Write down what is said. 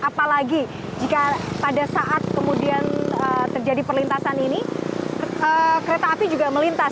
apalagi jika pada saat kemudian terjadi perlintasan ini kereta api juga melintas